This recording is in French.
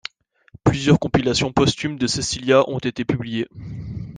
Plusieurs compilations posthumes de Cecilia ont été publiées.